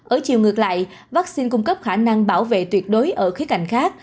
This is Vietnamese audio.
ở chiều ngược lại vaccine cung cấp khả năng bảo vệ tuyệt đối ở khía cạnh khác